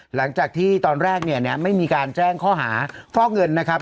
หลังจากที่ตอนแรกเนี่ยไม่มีการแจ้งข้อหาฟอกเงินนะครับ